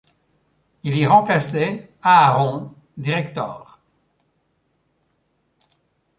Il y remplaçait Aaron Director.